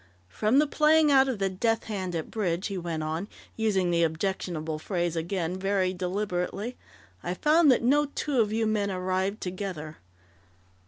"From the playing out of the 'death hand' at bridge," he went on, using the objectionable phrase again very deliberately, "I found that no two of you men arrived together....